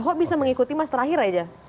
kok bisa mengikuti mas terakhir aja